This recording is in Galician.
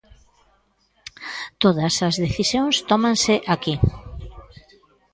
Todas as decisións tómanse aquí.